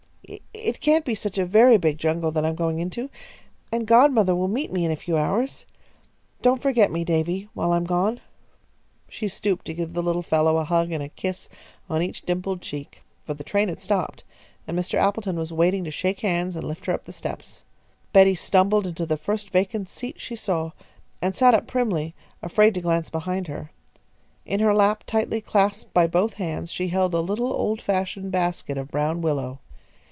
It can't be such a very big jungle that I'm going into, and godmother will meet me in a few hours. Don't forget me, Davy, while I'm gone." She stooped to give the little fellow a hug and a kiss on each dimpled cheek, for the train had stopped, and Mr. Appleton was waiting to shake hands and lift her up the steps. Betty stumbled into the first vacant seat she saw, and sat up primly, afraid to glance behind her. In her lap, tightly clasped by both hands, she held a little old fashioned basket of brown willow.